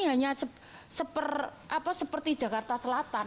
hanya seperti jakarta selatan